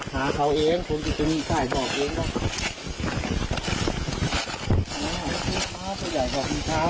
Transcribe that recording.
หาเขาเองคุณติดตรงนี้ไทยบอกเองว่า